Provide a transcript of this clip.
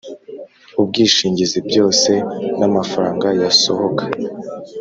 Ubwishingizi byose n amafaranga yasohoka